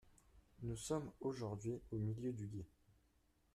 Nous sommes aujourd’hui au milieu du gué.